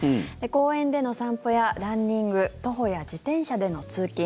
公園での散歩やランニング徒歩や自転車での通勤